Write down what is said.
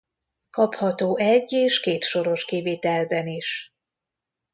Kapható egy- és kétsoros kivitelben is.